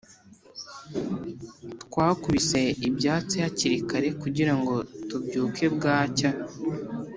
twakubise ibyatsi hakiri kare kugirango tubyuke bwacya.